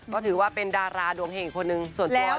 ก็ถือว่าเป็นดาราดวงเห่งคนหนึ่งส่วนตัว